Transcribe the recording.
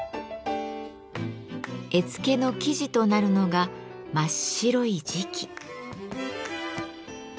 絵付けの素地となるのが真っ白い磁器。